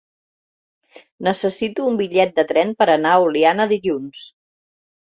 Necessito un bitllet de tren per anar a Oliana dilluns.